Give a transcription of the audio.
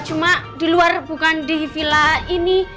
cuma di luar bukan di villa ini